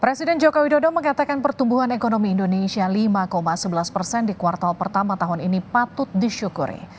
presiden jokowi dodo mengatakan pertumbuhan ekonomi indonesia lima sebelas persen di kuartal pertama tahun ini patut disyukuri